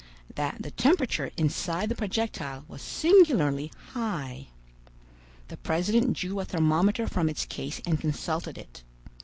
that the temperature inside the projectile was singularly high. The president drew a thermometer from its case and consulted it.